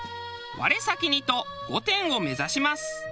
我先にと御殿を目指します。